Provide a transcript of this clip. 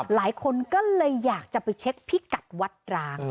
หลายคนก็เลยอยากจะไปเช็คพิกัดวัดร้าง